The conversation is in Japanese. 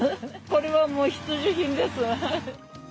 これはもう必需品です。